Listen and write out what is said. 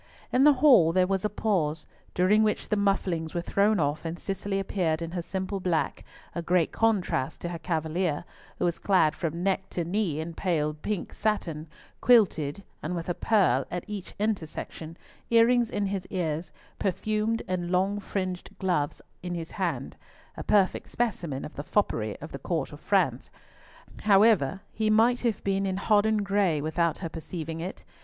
In the hall there was a pause, during which the mufflings were thrown off, and Cicely appeared in her simple black, a great contrast to her cavalier, who was clad from neck to knee in pale pink satin, quilted, and with a pearl at each intersection, earrings in his ears, perfumed and long fringed gloves in his hand—a perfect specimen of the foppery of the Court of France. However, he might have been in hodden gray without her perceiving it.